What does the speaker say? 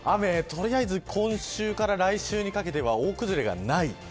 雨は今週から来週にかけては大崩れがない。